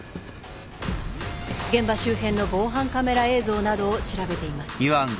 現場周辺の防犯カメラ映像などを調べています。